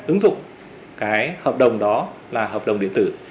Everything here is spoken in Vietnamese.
ứng dụng cái hợp đồng đó là hợp đồng điện tử